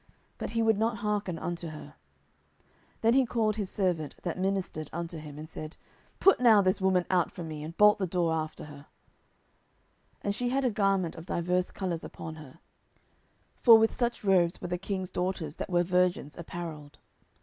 But he would not hearken unto her. 10:013:017 Then he called his servant that ministered unto him, and said, Put now this woman out from me, and bolt the door after her. 10:013:018 And she had a garment of divers colours upon her: for with such robes were the king's daughters that were virgins apparelled.